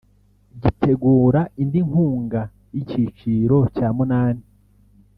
gitegura indi nkunga y’icyiciro cya munani